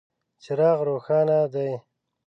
څراغ روښانه دی .